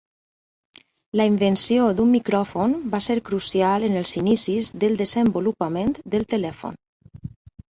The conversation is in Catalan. La invenció d'un micròfon va ser crucial en els inicis del desenvolupament del telèfon.